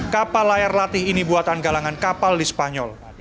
kapal layar latih ini buatan galangan kapal di spanyol